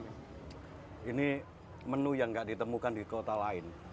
ini menu yang tidak ditemukan di kota lain bahkan di jakarta misalnya tidak akan ketemu model ini